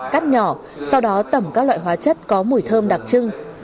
cắt nhỏ sau đó tẩm các loại hóa chất có mùi thơm đặc trưng